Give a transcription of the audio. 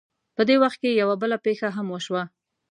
په دې وخت کې یوه بله پېښه هم وشوه.